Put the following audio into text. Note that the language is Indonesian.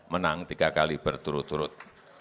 menang tiga kali berturut turut